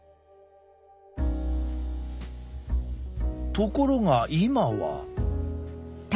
ところが今は。